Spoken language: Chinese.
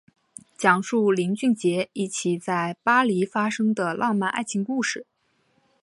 讲述林俊杰一起在巴黎发生的浪漫爱情故事。